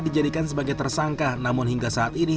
dijadikan sebagai tersangka namun hingga saat ini